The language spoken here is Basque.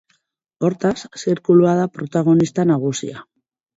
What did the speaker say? Hortaz, zirkulua da protagonista nagusia.